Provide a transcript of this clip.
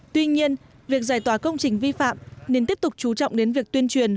tuy nhiên việc giải tỏa công trình vi phạm nên tiếp tục chú trọng đến việc tuyên truyền